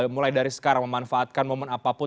mulai dari sekarang memanfaatkan momen apapun